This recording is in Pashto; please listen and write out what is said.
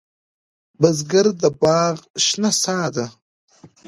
بزګر د باغ شنه سا ده